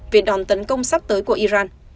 về đòn tấn công sắp tới của iran